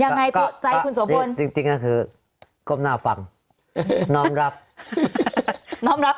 ยังไงใจคุณสวบนจริงจริงน่ะคือก้มหน้าฝั่งน้องรับน้องรับ